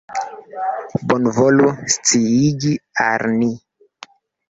Bonvolu sciigi al ni.